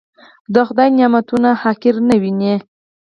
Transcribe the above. د خدای نعمتونه حقير نه وينئ.